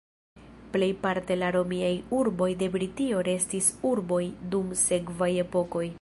Plejparte la romiaj urboj de Britio restis urboj dum sekvaj epokoj.